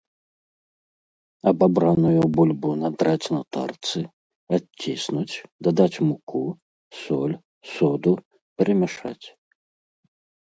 Абабраную бульбу надраць на тарцы, адціснуць, дадаць муку, соль, соду, перамяшаць.